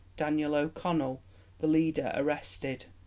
Daniel O'Connell, the leader, arrested.